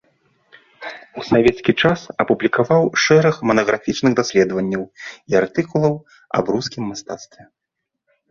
У савецкі час апублікаваў шэраг манаграфічных даследаванняў і артыкулаў аб рускім мастацтве.